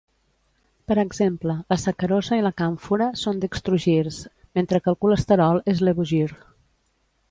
Per exemple, la sacarosa i la càmfora són dextrogirs mentre que el colesterol es levogir.